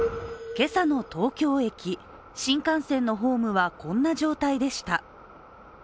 今朝の東京駅、新幹線のホームはこんな状態でした。